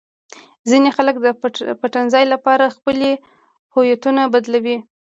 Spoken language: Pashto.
ځینې خلک د پټنځای لپاره خپلې هویتونه بدلوي.